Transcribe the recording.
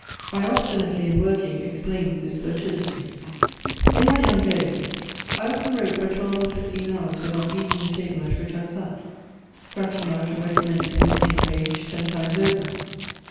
My obstinacy in working explains this fertility: in my young days I often wrote for twelve or fifteen hours without leaving the table at which I sat, scratching out and recommencing the same page ten times over.